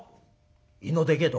「胃のでけえとこ？」。